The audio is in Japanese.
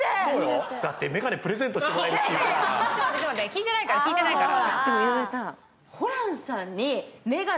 聞いてないから、聞いてないから。